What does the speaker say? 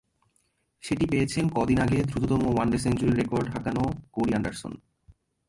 সেটি পেয়েছেন কদিন আগে দ্রুততম ওয়ানডে সেঞ্চুরির রেকর্ড হাঁকানো কোরি অ্যান্ডারসন।